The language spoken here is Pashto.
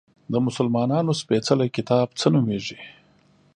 د مسلمانانو سپیڅلی کتاب څه نومیږي؟